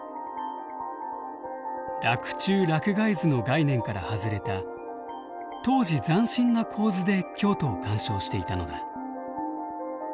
洛中洛外図の概念から外れた当時斬新な構図で京都を鑑賞していたのだ。